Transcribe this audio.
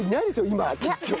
今きっと。